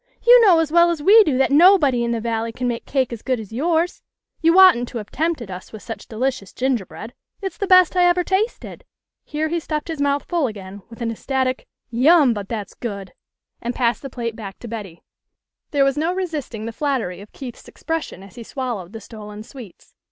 You know as well as we do that nobody in the Valley can make cake as good as yours. You oughtn't to have tempted us with such delicious gingerbread. It's the best I ever tasted." Here he stuffed his mouth full again, with an ecstatic 26 THE LITTLE COLONEL'S HOLIDA YS. " Yum, but that's good," and passed the plate back to Betty. There was no resisting the flattery of Keith's expression as he swallowed the stolen sweets.